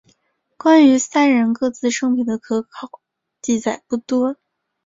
关于三人各自生平的可考记载不多。